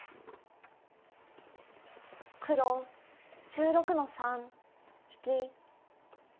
黒１６の三引き。